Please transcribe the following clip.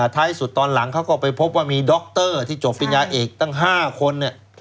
ท้ายสุดตอนหลังเขาก็ไปพบว่ามีดรที่จบปริญญาเอกตั้ง๕คน